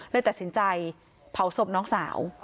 เลยตัดสินใจเผาศพน้องสาว